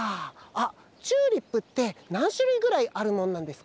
あっチューリップってなんしゅるいぐらいあるもんなんですか？